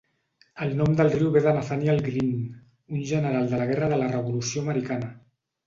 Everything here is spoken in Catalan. El nom del riu ve de Nathanael Green, un general de la Guerra de la Revolució Americana.